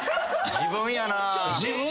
自分やな。